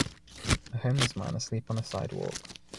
A homeless man asleep on a sidewalk.